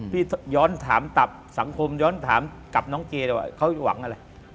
พี่ย้อนถามตับสังคมย้อนถามกับน้องเจดีกว่าเขาหวังอะไร